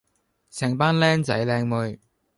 成班 𡃁 仔 𡃁 妹